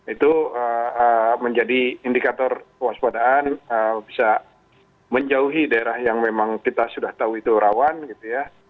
itu menjadi indikator kewaspadaan bisa menjauhi daerah yang memang kita sudah tahu itu rawan gitu ya